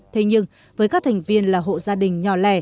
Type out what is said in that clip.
thế nhưng với các thành viên là hộ gia đình nhỏ lẻ